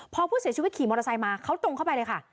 พอผู้เสียชีวิตขี่มอเตอร์ไซค์มาเขาตรงเข้าไปเลยค่ะ